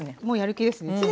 もうやる気ですね。